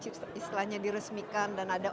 istilahnya diresmikan dan ada